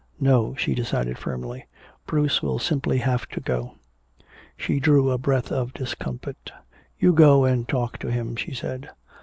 No," she decided firmly, "Bruce will simply have to go." She drew a breath of discomfort. "You go and talk to him," she said.